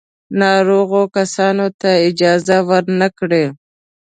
ناروغو کسانو ته اجازه ور نه کړي.